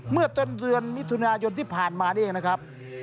เมื่อต้นเดือนมิถุนายนที่ผ่านมานี่เองนะครับ